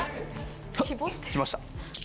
きました。